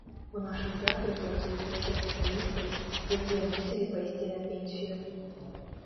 У нашым тэатры працуюць некалькі салістаў, якія мусілі пайсці на пенсію.